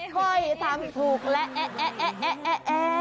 ค่อยตามถูกแล้วแอ๊ะแอ๊ะแอ๊ะแอ๊ะแอ๊ะแอ๊ะ